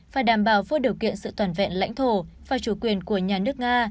phải đảm bảo vô điều kiện sự toàn vẹn lãnh thổ và chủ quyền của nhà nước nga